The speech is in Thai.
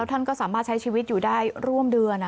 ท่านก็สามารถใช้ชีวิตอยู่ได้ร่วมเดือน